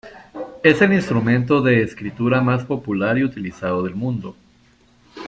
Es el instrumento de escritura más popular y utilizado del mundo.